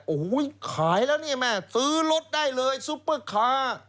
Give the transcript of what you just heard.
โอ้โหขายแล้วเนี่ยแม่ซื้อรถได้เลยซุปเปอร์คาร์